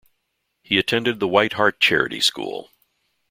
He attended the White Hart Charity School.